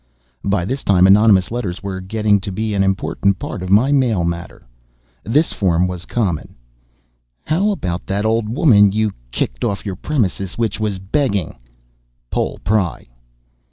] By this time anonymous letters were getting to be an important part of my mail matter. This form was common: How about that old woman you kiked of your premises which was beging. POL. PRY.